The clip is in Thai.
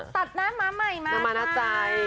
ตัดหน้าม้าใหม่มา